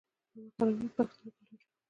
نمک حرامي په پښتنو کې لوی جرم دی.